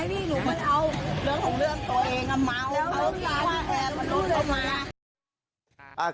แล้วรู้สึกว่าแกร่งก็รู้เลย